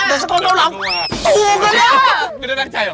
แต่สภาพตัวลำเกลือนเลย